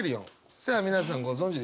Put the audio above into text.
さあ皆さんご存じでしょうか？